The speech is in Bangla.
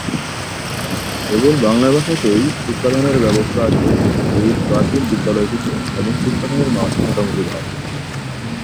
কেবল বাংলা ভাষাতেই শিক্ষাদানের ব্যবস্থা আছে এই প্রাচীন বিদ্যালয়টিতে এবং শিক্ষাদানের মান মোটামুটি ভালোই।